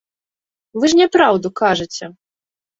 Вы ж няпраўду кажаце!